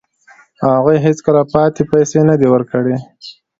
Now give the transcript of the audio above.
او هغوی هیڅکله پاتې پیسې نه دي ورکړي